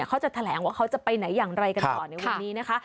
เขาจะแถลงว่าเขาจะไปไหนอย่างไรกันต่อในวันนี้นะคะ